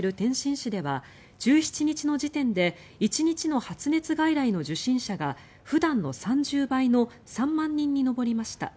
市では１７日の時点で１日の発熱外来の受診者が普段の３０倍の３万人に上りました。